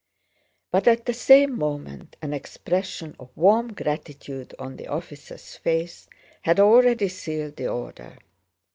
But at the same moment an expression of warm gratitude on the officer's face had already sealed the order.